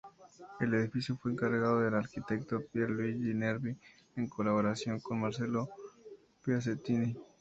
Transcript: El edificio fue encargado al arquitecto Pier Luigi Nervi, en colaboración con Marcello Piacentini.